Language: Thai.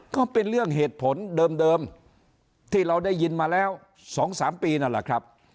ก็เป็นเรื่องเหตุผลเดิมที่เราได้ยินมาแล้ว๒๓ปีนั่นแหละครับ